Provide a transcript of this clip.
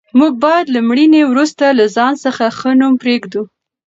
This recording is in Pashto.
موږ باید له مړینې وروسته له ځان څخه ښه نوم پرېږدو.